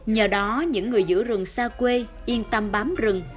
nhờ đó những người giữ rừng xa quê yên tâm bám rừng